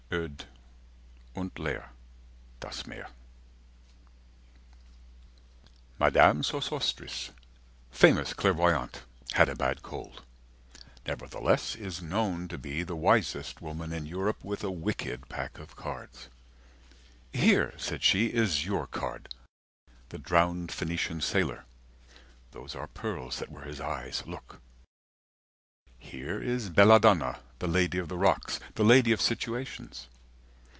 Oed' und leer das Meer. Madame Sosostris, famous clairvoyante, Had a bad cold, nevertheless Is known to be the wisest woman in Europe, With a wicked pack of cards. Here, said she, Is your card, the drowned Phoenician Sailor, (Those are pearls that were his eyes. Look!) Here is Belladonna, the Lady of the Rocks, The lady of situations.